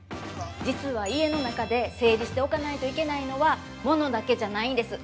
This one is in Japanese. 実は家の中で整理しておかないといけないのは物だけじゃないんです。